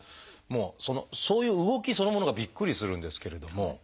もうそういう動きそのものがびっくりするんですけれども。